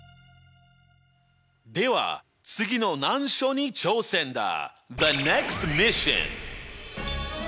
では次の難所に挑戦だ！